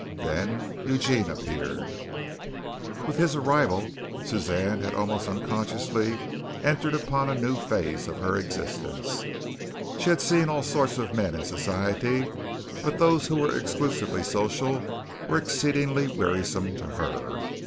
Then Eugene appeared. With his arrival, Suzanne had almost unconsciously entered upon a new phase of her existence. She had seen all sorts of men in society, but those who were exclusively social were exceedingly wearisome to her.